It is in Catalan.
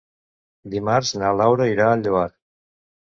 Dimarts na Laura irà al Lloar.